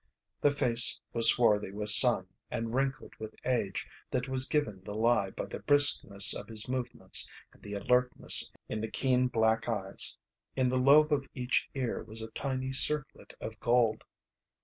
The face was swarthy with sun and wrinkled with age that was given the lie by the briskness of his movements and the alertness in the keen black eyes. In the lobe of each ear was a tiny circlet of gold.